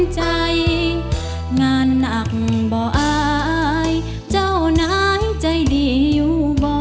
ใจงานหนักบ่ออายเจ้านายใจเดียวบ่